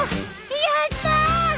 やった！